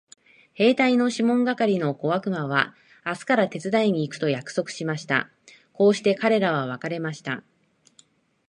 兵隊のシモン係の小悪魔は明日から手伝いに行くと約束しました。こうして彼等は別れました。